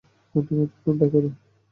বন্ধু, মাথা ঠান্ডা করো।